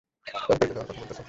সরকারকে দেওয়ার কথা বলতেছো?